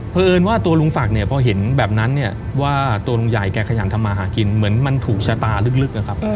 เพราะเอิญว่าตัวลุงศักดิ์เนี่ยพอเห็นแบบนั้นเนี่ยว่าตัวลุงใหญ่แกขยันทำมาหากินเหมือนมันถูกชะตาลึกนะครับ